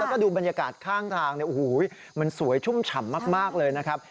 แล้วก็ดูบรรยากาศข้างทางมันสวยชุ่มฉ่ำมากเลยนะครับ